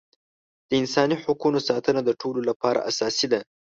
د انساني حقونو ساتنه د ټولو لپاره اساسي ده.